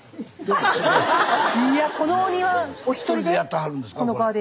一人でやってはるんですか？